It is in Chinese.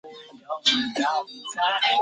张瓘是太原监军使张承业的侄子。